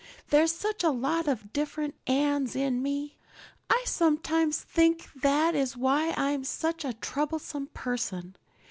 There's such a lot of different Annes in me. I sometimes think that is why I'm such a troublesome person.